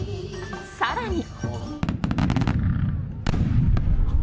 更に。